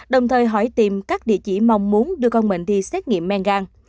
đồng thời hỏi tìm các địa chỉ mong muốn đưa con mình đi xét nghiệm men gan